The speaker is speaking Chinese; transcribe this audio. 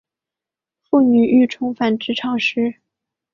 妇女欲重返职场时